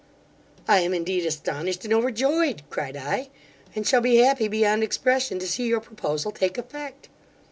'I am, indeed, astonished and overjoyed (cried I), and shall be happy beyond expression to see your proposal take effect.